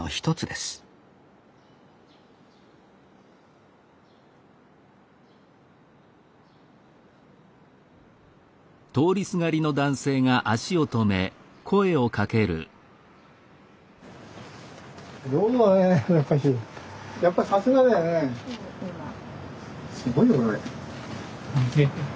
すごいよこれ。